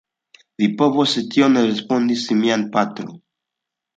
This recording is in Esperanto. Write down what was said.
Vi povos tion, respondis mia patro.